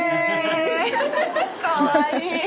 かわいい。